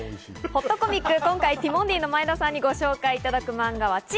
ほっとコミック、今回ティモンディの前田さんにご紹介いただくマンガは、『チ。